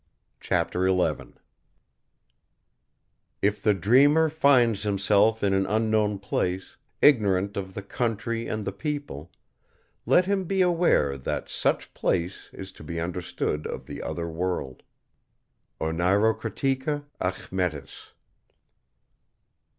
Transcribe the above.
CHAPTER XI "If the Dreamer finds himself in an unknown place, ignorant of the country and the people, let him be aware that such place is to be understood of the Other World." ONEIROCRITICA ACHMETIS.